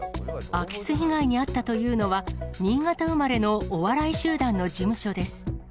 空き巣被害に遭ったというのは、新潟生まれのお笑い集団の事務所です。